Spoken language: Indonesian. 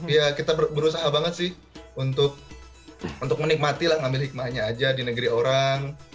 ya kita berusaha banget sih untuk menikmati lah ngambil hikmahnya aja di negeri orang